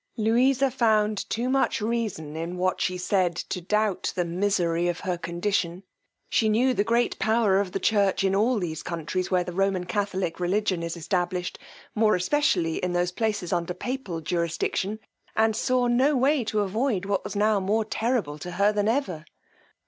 Louisa found too much reason in what she said, to doubt the misery of her condition; she knew the great power of the church in all these countries where the roman catholic religion is established, more especially in those places under the papal jurisdiction, and saw no way to avoid what was now more terrible to her than ever.